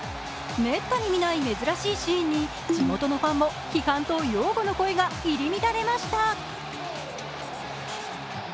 滅多に見ない珍しいシーンに地元のファンも批判と擁護の声が入り乱れました。